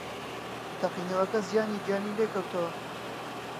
تەقینەوەکە زیانی گیانی لێکەوتەوە